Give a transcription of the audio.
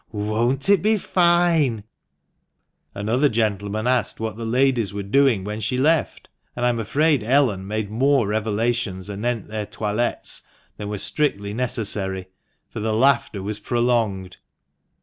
Won't it be fine ?" Another gentleman asked what the ladies were doing when she left ; and I'm afraid Ellen made more revelations anent their toilettes than were strictly necessary, for the laughter was prolonged.